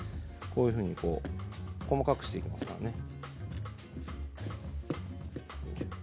こういうふうに細かくしていきますからね。